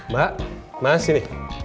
mbak mas sini